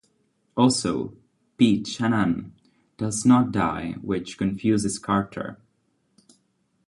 Also, Pete Shanahan does not die, which confuses Carter.